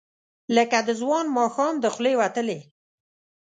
لکه د ځوان ماښام، د خولې وتلې،